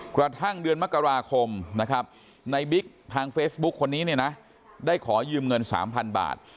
กระทั่งเดือนมกราคมนะครับในบิ๊กทางเฟซบุ๊คคนนี้เนี่ยนะได้ขอยืมเงิน๓๐๐บาท